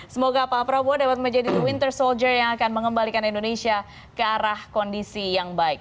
semoga pak prabowo dapat menjadi the winter soldier yang akan mengembalikan indonesia ke arah kondisi yang baik